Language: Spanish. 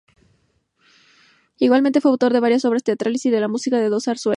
Igualmente fue autor de varias obras teatrales y de la música de dos zarzuelas.